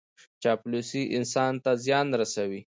چاپلوسي انسان ته زیان رسوي.